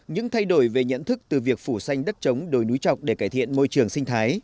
những thay đổi về nhận thức từ việc phủ xanh đất trống đồi núi trọc để cải thiện môi trường sinh thái